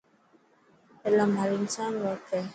علم هر انسان رو حق هي.